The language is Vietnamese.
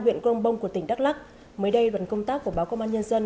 huyện crong bông của tỉnh đắk lắc mới đây đoàn công tác của báo công an nhân dân